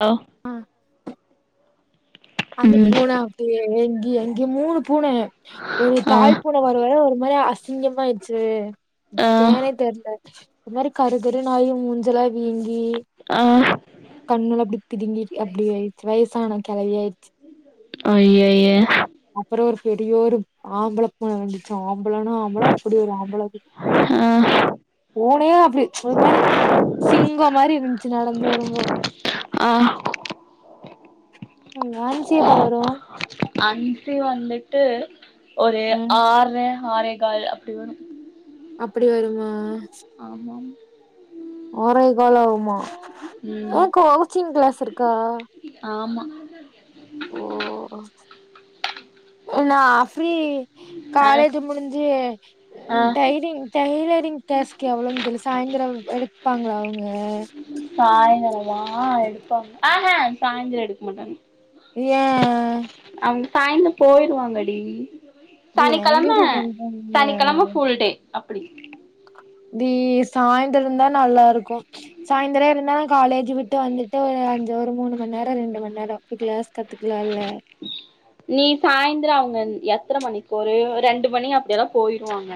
Hello ஆ அந்த ம் பூன அப்டியே எங்கே மூணு பூனை ஒரு ஆ தாய்ப்பூனை வருவர ஒரு இது மாரி அசிங்கமா ஆயிடுச்சி ஆ ஏனே தெர்ல இந்த மாரி கருகரு ஆயு மூஞ்செலாம் வீங்கி ஆ கண்ணுலா அப்பிடி பிதிங்கி அப்டி ஆயிடுச்சு வயசான கெலவியா அய்யய்ய அப்புறம் ஒரு பெரியோர் ஆம்பள பூன வந்துச்சா ஆம்பளனா ஆம்பள அப்டி ஒரு ஆம்பள ஆ பூனயே அப்டி ஒருமாரி சிங்கம் மாரி இருந்துச்சு நடந்து வரும்போ ஆ உங்க ஆன்சி எப்ப வரும் அன்சி வந்துட்டு ஒரு ம் ஆர்ர ஆரேகால் அப்டி வரும் அப்டி வருமா ஆரேகால் ஆவுமா ஏ ம் கா வெளச்சிங் கிளாஸ் இருக்கா ஆமா ஓ என்ன ஆஃப்ரி ஆ காலேஜ் முடிஞ்சி ஆ ம் டயிரிங் டயிர் டயலரிங் கிளாஸ்க்கு எவ்ளோனுக்கேளு சாய்ந்திரம் எடுப்பாங்களா அவுங்க சாயந்தரமா ஆ எடுப்பாங்க ஆஹ சாய்ந்திர எடுக்க மாட்டாங்க ஏன் அவுங்க சாய்ந்தரம் போயிடுவாங்கடி இது ஏன்டி சனிக்கெலம இப்டி பண்றாங்க சனிக்கெலம ஃபுல் டே அப்படி தி சாய்ந்தரந்தான் நல்லா இருக்கும் சாய்ந்தரம் இருந்தா நான் காலேஜி விட்டு வந்துட்டு ஒரு அஞ்சு ஒரு மூணு மணி நேரம் ரெண்டு மணி நேரம் போய் கிளாஸ் கத்துக்கலா இல்ல நீ சாயந்திரம் அவங்க எத்தன மணிக்கு ஒரு ரெண்டு மணி அப்டியெல்லாம் போயிருவாங்க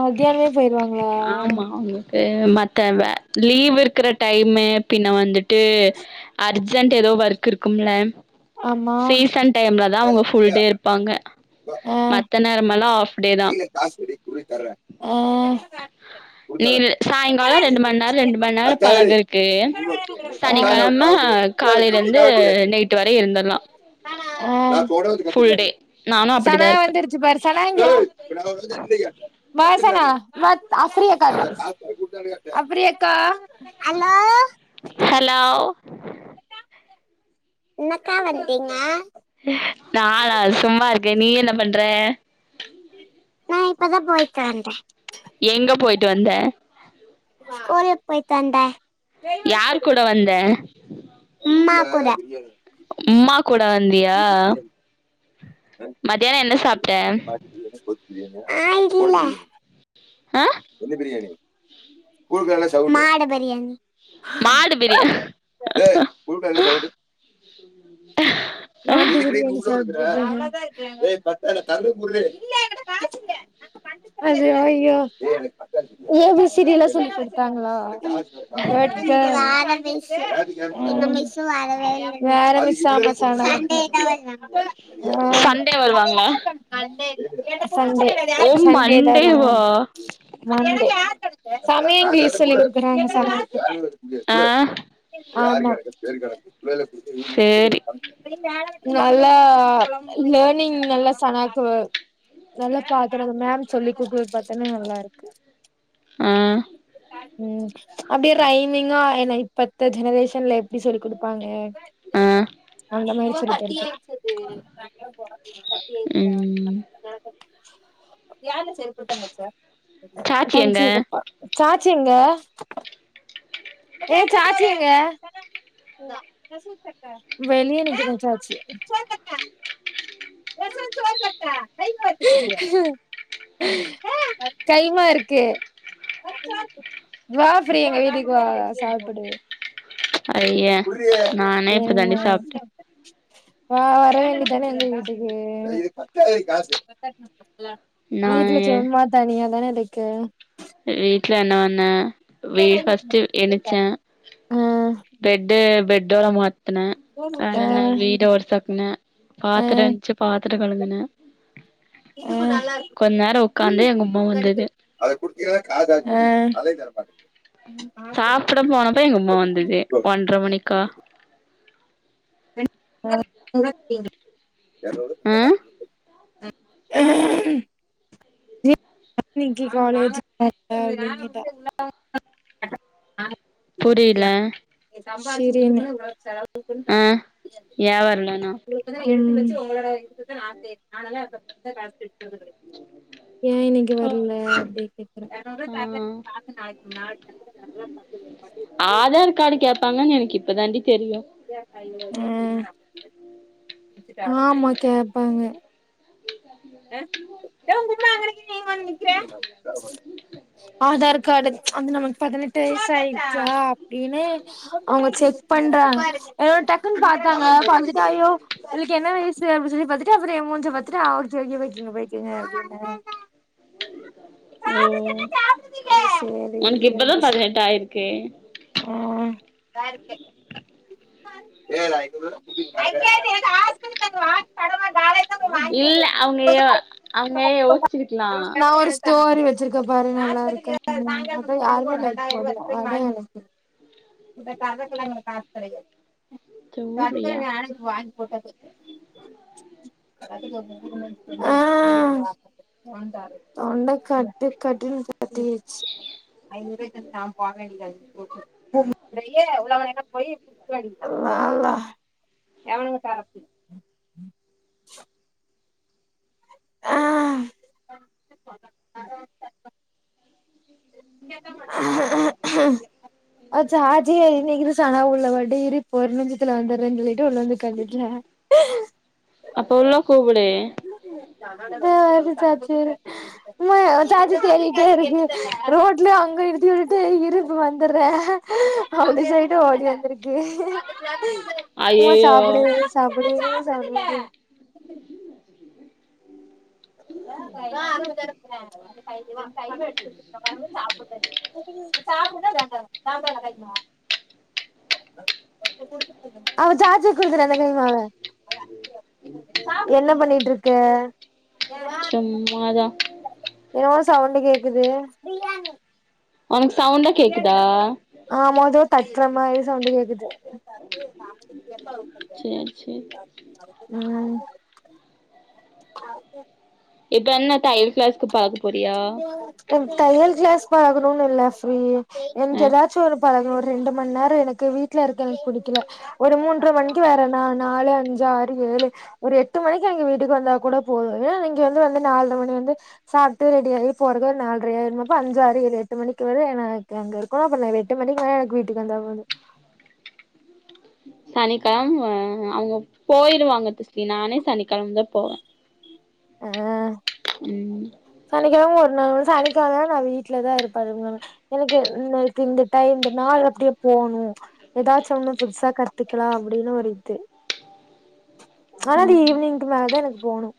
மதியானமே போயிருவாங் ஆமா அவுங்க ஏ மத்தவ லீவ் இருக்ற டைமு பின்ன வந்துட்டு அர்ஜென்ட் ஏதோ ஒர்க் இருக்கும்ல ஆமா சீசன் டைம்ல தா அவுங்க ஃபுல் டே இருப்பாங்க உம் ஹலோ ஆஃப் டே தா கைல காசலில்லடி குட்ரி தர்ரே உம் நீ சாயங்கால ரெண்டு மணி நேர ரெண்டு மணி நேர பழகிருக்கு ஆ சனிக்கெழம காலையில இருந்து ஆ நைட்டு வரை இருந்திறலா இப்ப கூட வந்து கத்துனாரு சனவந்திருச்சு பாரு சலாங்க ஏ இப்ப நா வந்து நிக்றேன் வாசன வந் நா ஃப்ரியாதா [unintelligible] அப்டியாக்கா ஹலோ ஹலோ என்னக்கா வன்றீங்க நான சும்மா இருக்கேன நீ என்ன பண்ற நா இப்பதா போய்ட்டு வந்ட்டே எங்க போய்ட்டு வந்த ஸ்கூலுக்கு போய்ட்டு வந்தே யார் கூட வந்த ம்மா கூட அம்மாக் கூட வந்தியா வீட்டு பிரியாணி மத்தியான என்ன சாப்பிட்ட [unintelligible] ஆ இல்ல ஆ என்ன பிரியாணி ஊருல எல்லா சவுக்கியமா மாடு பிரியா ஏ சவுக்கியமா ஐயோஐயோ சல [unintelligible] சொல்லி குடுத்தாங்களா சொல்லுங்க சிஸ்டர் [unintelligible] [unintelligible] வேற வேலை இல்ல சண்டை தான் வருவாங்க சண்டே வருவாங்களா ஓ [inaudible] சண்டே தான் மண்டேவா வருவார்களா மண்டே சமயம் இங்கிலிஷ் சொல்லி கொடுக்குறாங்க ஆ கா ஆமா சேரிக்கா வேலைக்கு சேரி நல்லா லேர்னிங் நல்லா சனாக்கு நல்லா பாடுறது மேம் சொல்லி கூடுகறது பாத்தன்னா நல்லா இருக்கு ஆ உம் அப்படியே ரைமிங்க என்ன மத்தஜெனரேஷன்ல எப்படி சொல்லி் கொடுப்பாங்க ஆ அந்த மாரி செரி செரி ம் சாச்சி எங்க தேங்க்ஸ் சாச்சி எங்க ஏ சாச்சி எங்க சாச்சி வெளிய நிக்கிறா கைமா இருக்கு வா பிரீயா எங்க வீட்டுக்கு வா சாப்பிடு அய்யோ நானே இப்ப தாண்டி சாப்பிட்டேன் வாறேன்னு வரவேண்டிதானே எங்க வீட்டுக்கு வீட்டுல நானு சும்மா தனியா தானே இருக்க ஏன் வீட்டு்ல என்னப் பண்ண வே பர்ஸ்டு எந்துருச்சேன் ஆ பெட்டு பெட். டோரா வேற ஆ என்ன வீ ட பாத்ரம் இருந்துச்சு பாத்தரம் கழுவுனேன் எங்க உம்மா வந்தது ஹன் ஆம் போ. ப்ப எங்க அம்மா வந்தது ஒன்ரை மணிக்கா. [unintelligible] ஆ [unintelligible] அஹ [unintelligible] காலேஜ் [unintelligible] புரில சிரியன்னு சால் ஆ [unintelligible] ஏ வரலனா இப்பதா எடுத்து வச்சி ஒ உங்களோட இதுக்குத்தா ஆசை அ நால [unintelligible] ஏ நீ இங்க ஓ வரல அப்பிடினு கேக்குற [unintelligible] ஆ இப்ப தாண்டிப் தெரியு ம் ம் ஆமா கேட்பாங்க ஏ உம்மா அங்க நிங்கிறிங்க வந்து நிக்கர ஆதாரக்கார்டு அதுன வந் பதினெட்டு வயசு ஆயிடுச்சா அப்பிடின்னு அவங்க செக் பண்றாங்க று டக்குன்னு பாத்தாங்க பாத்துட்டுயோ உள்ளுக்கு என்ன வயசு அப்பிடி சொல்லி பாத்துட்டு அப்புரோ ஏ முஞ்ச பாத்துட்டா [unintelligible] பேய்க்கிங்க பேய்க்கிங்க ஓ சேரி உனக்கு இப்பதா அப்டி சொ பதினெட்டு ஆயிருக்கு இதா இருக்கு [unintelligible] இல்ல அவங்க அவங்கயோச்சிருக்கலா தோரி வச்சிருக்க பாரு நளா இருக்கற அதா யாருமே எனக்கு இந்த கதக்கள எங்களுக்கு காசு கெடைக்கு அதுக்கு சூரியா நானக்கு வாங்கி [unintelligible] ஆ தொண்ட கட்டு கட்டு கட்டச்சி ஐாய போடித்தா இருக்கு ம் டையே உங்கன போய் [unintelligible] எவனு கிட்டரப் ஆ [unintelligible] அப்ப உள்ள கூப்புடு து [unintelligible] சாச்சி சொல்லிட்டே இருக்கு ரோட்ல அங்க இலுத்து விட்டுட்டு இருப்ப வந்துர்ற அப்டி சொல்லிட்டு ஓடி வந்துருக்கு ஓ ஐயயோ சாப்புடு சாப்புடு [unintelligible] எ அவ சார்ஜர் குடுக்குற அந்த [unintelligible] என்ன பண்ணிட்ருக்கு சும்மாதா எதோ சவுண்டு கேக்குது உனக்கு சவுண்டா கேக்குதா ஆமா ஏதோ தட்ற மாரி சவுண்டு கேக்குது சேரி சேரி ம் இப்ப என்ன தையல் கிளாஸ்க்கு பழகு தையல் கிளாஸ் பழகுறோம்ன் இல்ல ஃப்ரியி அ எனக்கு எதாச்சு ஒரும் பழகணு ஒரு ரெண்டு மண் நேரோ எனக்கு வீட்ல இருக்க எனக்கு புடிக்கல ஒரு மூன்ற மணிக்கு வேற நா நாலு அஞ்சு ஆறு ஏழு ஒரு எட்டு மணிக்கு எனக்கு வீட்டுக்கு வந்தா கூட போது ஏன்னா நீங்க வந்து வந்து நாலு மணி வந்து சாப்ட்டு ரெடி ஆயி போறது ஒரு நால்ர ஆயிருமா அப்போ அஞ்சு ஆறு ஏழு எட்டு மணிக்கு வர எனக்கு அங்க இருக்கணு அப்ப நா எட்டு மணிக்கு மேல எனக்கு வீட்டுக்கு வந்தா போது சனிக்கெழம அவங்க போயிருவாங்க திஸ்டி நானு சனிக்கெழமதா போவ அ சனிக்கெழ ஒர் [unintelligible] நா வீட்லதா இருப்ப அதுமில்லாம எனக்கு நேத்துக்கு இந்த டைம் இந்த நாள் அப்டியே போணு எதாச்சு ஒண்ணு புதுசா கத்துக்கலா அப்டின் ஒரு இது ஆனா அது ம் ஈவினிங்க்கு மேலதா எனக்கு போகணு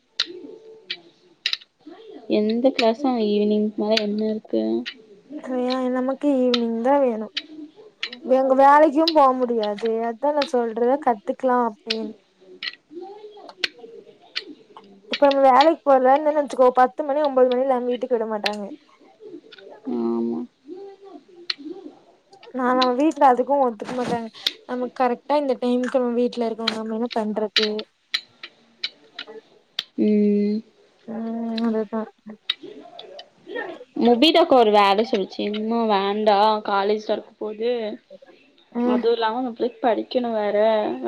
எந்த கிளாஸும் ஈவினிங்க் மேல என்ன இருக்கு சையா நமக்கு ஈவினிங்தா வேணு எங்க வேலைக்கும் போக முடியாது அதா நா சொல்றத கத்துக்கலா அப்டின் இப்ப நம்ம வேலைக்கு போலன் நெனச்சுக்கோ பத்து மணி ஒன்பதோ மணி இல்லாம வீட்டுக்கு விட மாட்டாங்க ஆமா நா நம்ம வீட்ல அதுக்கு ஒத்துக்க மாட்டாங்க நம்ம கரெக்டா இந்த டைமுக்க நம்ம வீட்ல இருக்கோனும் நம்ம என்ன பண்றது ம் ம் அததா முடிதாக் ஒரு வேலஸ் சொல்லுச்சு இம்மா வேண்டா காலேஜ் தொரக்கு போது ஆ அது இல்லாம அங்க போய் படிக் சின்னவ அ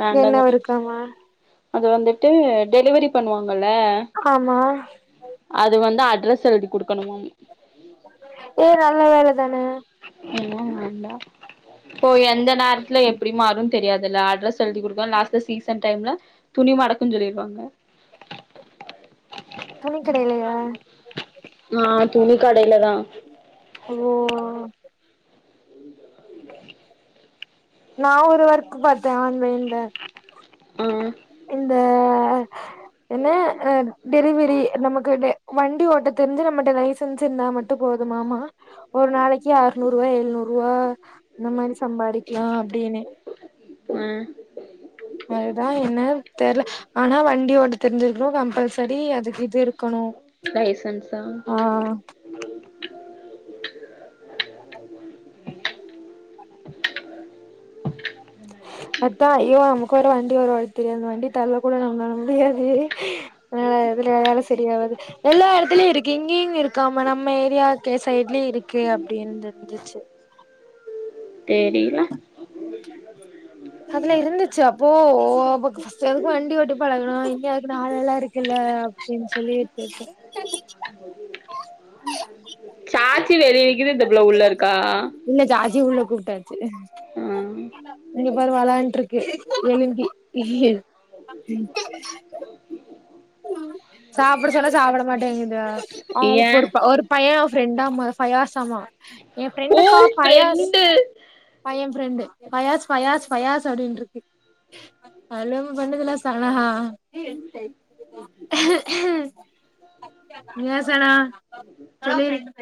வேண்டான் என்ன சொல்லிருச்சு இருக்காமா அது வந்துட்டு டெலிவரி பண்ணுவா முல்ல ஆமா அது வந்து அத் [unintelligible] எடி கொடுக்கணுமா ஏ நல்ல வேலதான எல்லா நடந்தா ஓ எந்த நேரத்ல எப்டி மாறு தெரியதுலா அட்ரஸ் எழுதி கொடுக்க லாஸ்ட்ல சீசன் டைம்ல துணி மடக்கும்ன்னு சொல்லிருவாங்க துணி கடலயா ஆ துணி கடயில தா ஓ நா ஒரு ஒர்க்கு பாத்தே ஆன்லைன் ல்ல ஆ இந்த ஆ என்ன அ டெலிவரி நமக்கு த வண்டி ஓட்ட தெரிஞ்சு நம்மட்ட லைசன்ஸ் இருந்தா மட்டு போதுமாமா ஒரு நாளைக்கு அறுநூறு ரூவா எழுநூறு ரூவா நம்ம இனி சம்பாதிக்கலா அப்டின்னு உம் அதுதா என்னனு தெரில ஆனா வண்டி ஓட்ட தெரிஞ்சிருக்கணு கம்பல்சரி அதுக்கு இது இருக்கணு லைசன்ஸா ஆ அதா ஐயோ நமக்கு ஒரு வண்டி ஒருவி தெரியது அந்த வண்டி தல்ல கூட நம்மலால முடியாது அதனால இதுல வேற சரியாவாது எல்லா எடத்துலயு இருக்கு இங்கேயு இ இருக்காம நம்ம ஏரியாவுக்கு சைட்லயு இருக்கு அப்டின்னுந்துச்சு தெரில அதுல இருந்துச்சு அப்போ ஒ எதுக்கு வண்டி வோட்டி பழகணு இங்க அதுக்கு நாளேலா இருக்குல்ல அப்டின்னு சொல்லிட்டுக்க ஆச்சி வெளி நிக்குது இந்த புள்ள உள்ள இருக்கா ச்ச ஆ இங்க பாரு வெளான்ட்டு இருக்கு எலும்பி சாப்ட சொன்னா சாப்டமாட்டேங்குது ஏ அவளுக்கு ஒ ஒரு பைய ஃப்ரெண்டாமா பயாசமா என் ஓ ஃப்ரெண்டுக்கா பயாஸ் ஃப்ரெண்டு பயம் ப்ரெண்டு பயாஸ் பயாஸ் பயாஸ் அப்டின்னு இருக்கு [inaudible] அதலவு பண்ணதுல சம ஹா உம் ஹம [unintelligible] [inaudible] நியசனா சொல்லிரு